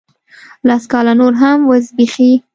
لس کاله نور هم وزبیښي